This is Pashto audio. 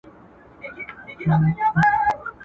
هر یوه خپل په وار راوړي بربادې وې دلته.